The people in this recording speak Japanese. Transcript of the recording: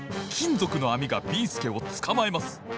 ぞくのあみがビーすけをつかまえます。